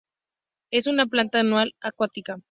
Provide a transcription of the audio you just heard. Es una planta anual, acuática.